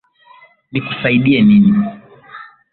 Nikusaidie nini?